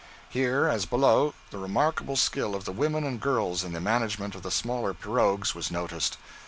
Here, as below, the remarkable skill of the women and girls in the management of the smaller pirogues was noticed.